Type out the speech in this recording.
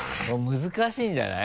難しいんじゃない？